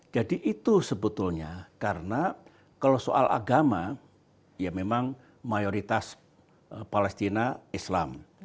jadi itu sebetulnya karena kalau soal agama ya memang mayoritas palestina islam